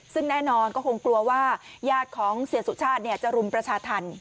ซึ่งแน่นอนก็คงกลัวว่าญาติของเสียสุชาติจะรุมประชาธรรม